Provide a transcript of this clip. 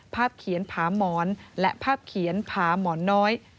เขียนผาหมอนและภาพเขียนผาหมอนน้อย